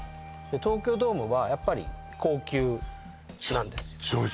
東京ドームはやっぱり高級なんです叙々